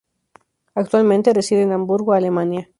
Actualmente reside en Hamburgo, Alemania.